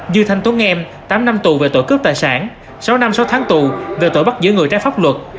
dư thanh tuấn em tám năm tù về tội cướp tài sản sáu năm sáu tháng tù về tội bắt giữ người trái pháp luật